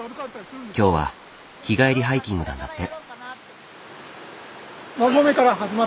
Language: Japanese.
今日は日帰りハイキングなんだって。